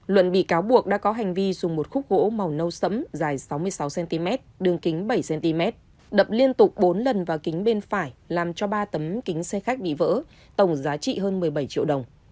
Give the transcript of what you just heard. luận bị cáo buộc đã có hành vi dùng một khúc gỗ màu nâu sẫm dài sáu mươi sáu cm đường kính bảy cm đập liên tục bốn lần vào kính bên phải làm cho ba tấm kính xe khách bị vỡ tổng giá trị hơn một mươi bảy triệu đồng